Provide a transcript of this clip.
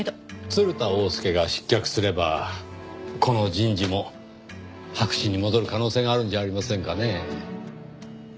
鶴田翁助が失脚すればこの人事も白紙に戻る可能性があるんじゃありませんかねぇ。